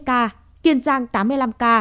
kiên giang tám mươi năm ca